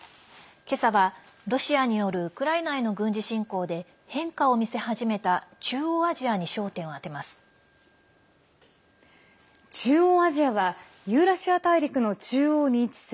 今朝はロシアによるウクライナへの軍事侵攻で変化を見せ始めた中央アジアに焦点を当てます。